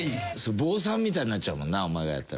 坊さんみたいになっちゃうもんなお前がやったら。